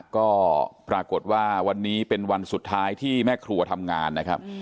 ก็ปรากฏว่าวันนี้เป็นวันสุดท้ายที่แม่ครัวทำงานนะครับ